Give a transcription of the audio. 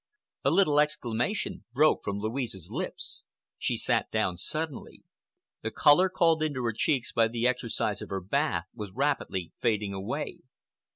A little exclamation broke from Louise's lips. She sat down suddenly. The color called into her cheeks by the exercise of her bath was rapidly fading away.